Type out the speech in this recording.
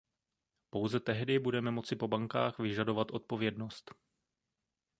Pouze tehdy budeme moci po bankách vyžadovat odpovědnost.